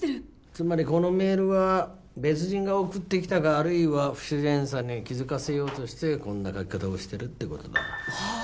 つまりこのメールは別人が送ってきたかあるいは不自然さに気づかせようとしてこんな書き方をしてるって事だ。はあ？